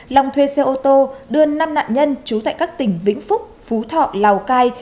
long thuê xe ô tô đưa năm nạn nhân trú tại các tỉnh vĩnh phúc phú thọ lào cai